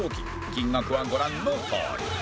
金額はご覧のとおり